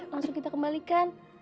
langsung kita kembalikan